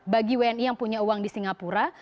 bagi wni yang punya uang di singapura